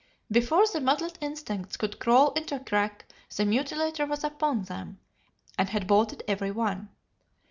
Before the muddled insects could crawl into a crack, the Mutilator was upon them, and had bolted every one.